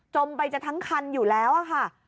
ไปจะทั้งคันอยู่แล้วค่ะ